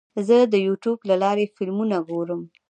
زه د یوټیوب له لارې فلمونه ګورم.